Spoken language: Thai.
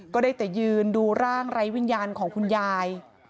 ก็ได้แต่ยืนดูร่างไร้วิญญาณของคุณยาย